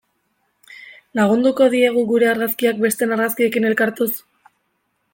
Lagunduko diegu gure argazkiak besteen argazkiekin elkartuz?